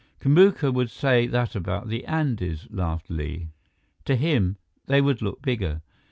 "Kamuka would say that about the Andes," laughed Li. "To him, they would look bigger."